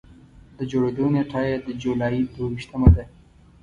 د جوړېدو نېټه یې د جولایي د دوه ویشتمه ده.